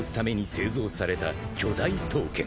製造された巨大刀剣］